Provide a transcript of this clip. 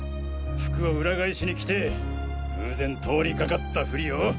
服を裏返しに着て偶然通りかかったフリを？